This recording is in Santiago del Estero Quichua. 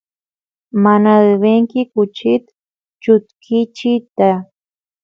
mana devenki kuchit chutkichiyta